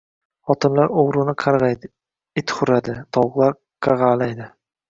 Xotinlar o‘g‘rini qarg‘aydi, it huradi, tovuqlar qaqag‘laydi